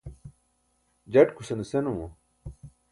jaṭkusane senumo